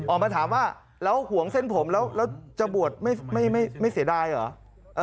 ออกมาถามว่าแล้วห่วงเส้นผมแล้วจะบวชไม่เสียดายเหรอ